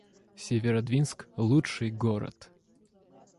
Северодвинск — лучший город